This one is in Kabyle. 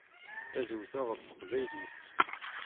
Ad wteɣ ɣef teqbaylit.